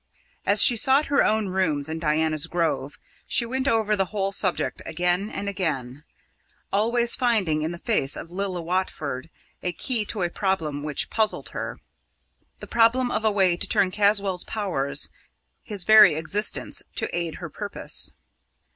As she sought her own rooms in Diana's Grove, she went over the whole subject again and again, always finding in the face of Lilla Watford a key to a problem which puzzled her the problem of a way to turn Caswall's powers his very existence to aid her purpose.